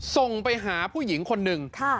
ส่งไปหาผู้หญิงคนหนึ่ง